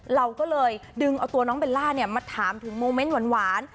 เราก็เลยดึงเอาตัวน้องเบลล่ามาถามถึงโมเมนต์หวาน